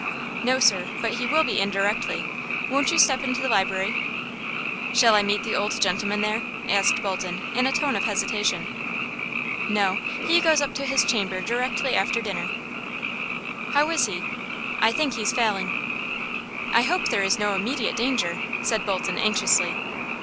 "No, sir; but he will be in directly. Won't you step into the library?" "Shall I meet the old gentleman there?" asked Bolton, in a tone of hesitation. "No. He goes up to his chamber directly after dinner." "How is he?" "I think he's failing." "I hope there is no immediate danger," said Bolton, anxiously.